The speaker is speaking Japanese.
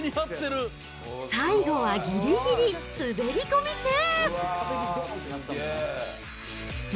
最後はぎりぎり滑り込みセーフ。